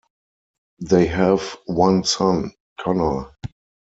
They have one son, Connor.